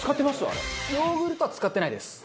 ヨーグルトは使ってないです。